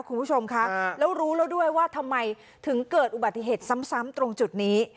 คุณผู้ชมคะแล้วรู้แล้วด้วยว่าทำไมถึงเกิดอุบัติเหตุซ้ำตรงจุดนี้